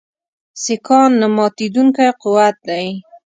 سیکهان نه ماتېدونکی قوت دی.